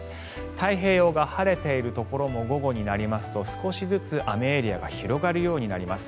太平洋側、晴れているところも午後になりますと少しずつ雨エリアが広がるようになります。